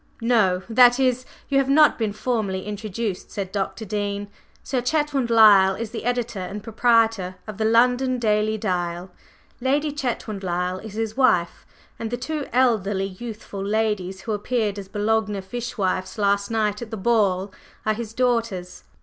"No, that is, you have not been formally introduced," said Dr. Dean. "Sir Chetwynd Lyle is the editor and proprietor of the London Daily Dial, Lady Chetwynd Lyle is his wife, and the two elderly youthful ladies who appeared as 'Boulogne fish wives' last night at the ball are his daughters."